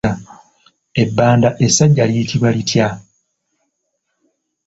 Ebbanda essajja liyitibwa litya?